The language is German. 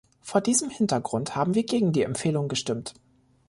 Vor diesem Hintergrund haben wir gegen die Empfehlung gestimmt.